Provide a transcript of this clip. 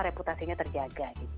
reputasinya terjaga gitu